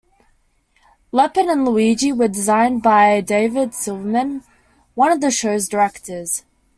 Leopold and Luigi were designed by David Silverman, one of the show's directors.